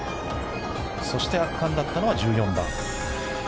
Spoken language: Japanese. そして、圧巻だったのは１４番。